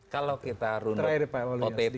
kalau kita runut